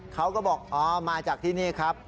เขาก็บอกอ๋อมาจากที่นี่ครับ